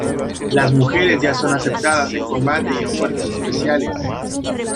Las mujeres ya son aceptadas en combate y en fuerzas especiales.